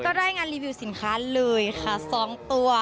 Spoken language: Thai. ได้งานรีวิวสินค้าเลยค่ะ๒ตัว